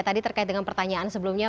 tadi terkait dengan pertanyaan sebelumnya